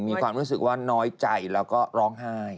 มีความรู้สึกว่าน้อยใจแล้วก็ร้องไห้